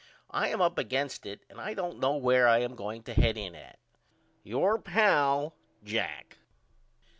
I am up against it and I don't know where I am going to head in at. Your pal, JACK.